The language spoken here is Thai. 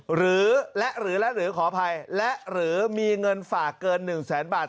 หรือขออภัยหรือมีเงินฝากเกิน๑๐๐๐๐๐บาท